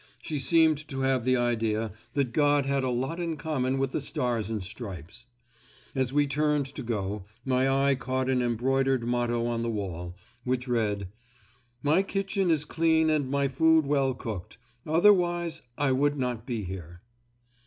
She seemed to have the idea that God had a lot in common with the Stars and Stripes. As we turned to go, my eye caught an embroidered motto on the wall, which read, "My kitchen is clean and my food well cooked; otherwise I would not be here."